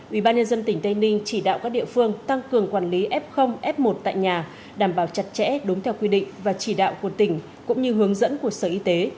ubnd tỉnh tây ninh chỉ đạo các địa phương tăng cường quản lý f f một tại nhà đảm bảo chặt chẽ đúng theo quy định và chỉ đạo của tỉnh cũng như hướng dẫn của sở y tế